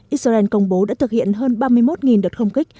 israel công bố đã thực hiện hơn ba mươi một đợt không kích